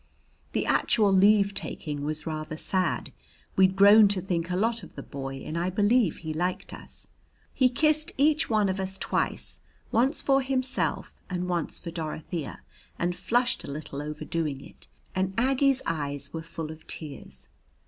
The actual leave taking was rather sad. We'd grown to think a lot of the boy and I believe he liked us. He kissed each one of us twice, once for himself and once for Dorothea, and flushed a little over doing it, and Aggie's eyes were full of tears.